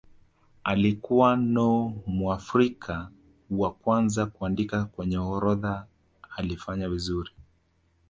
alikuwa no muafrika wa kwanza kuandikwa kwenye orodha alifanya vizuri